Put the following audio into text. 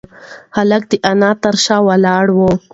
هلک د انا تر شا ولاړ و.